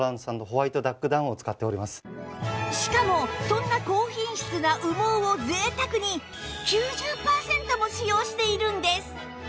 しかもそんな高品質な羽毛を贅沢に９０パーセントも使用しているんです